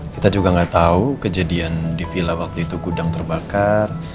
kita juga nggak tahu kejadian di villa waktu itu gudang terbakar